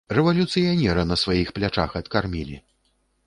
Рэвалюцыянера на сваіх плячах адкармілі.